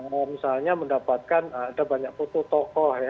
misalnya mendapatkan ada banyak foto tokoh ya